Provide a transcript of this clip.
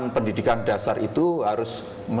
pendidikan dasar itu harus